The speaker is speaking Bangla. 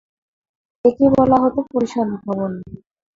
একে বলা হতো ‘পরিষদ ভবন’।